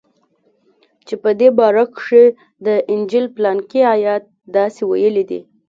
چې په دې باره کښې د انجيل پلانکى ايت داسې ويلي دي.